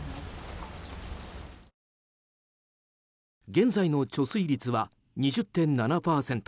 現在の貯水率は２０．７％。